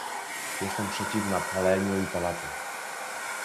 Jestem przeciwna paleniu i palaczom